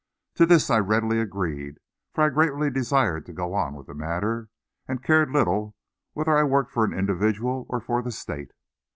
To this, I readily agreed, for I greatly desired to go on with the matter, and cared little whether I worked for an individual or for the State.